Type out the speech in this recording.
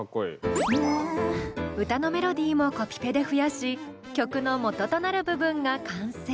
歌のメロディーもコピペで増やし曲の元となる部分が完成！